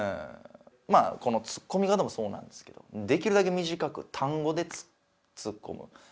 まあこのツッコミ方もそうなんですけどできるだけ短く単語でツッコむ。